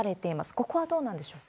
ここはどうなんでしょうか？